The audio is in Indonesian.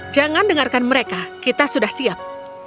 jangan dengarkan mereka kita sudah siap